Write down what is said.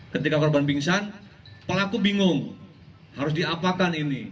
ketika korban pingsan pelaku bingung harus diapakan ini